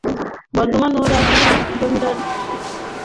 বর্ধমান ও রাজশাহীর জমিদারির পরেই এর অবস্থান ছিল।